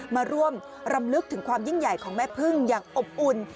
มาร่วมรำลึกถึงความยิ่งใหญ่ของแม่พึ่งอย่างอบอุ่น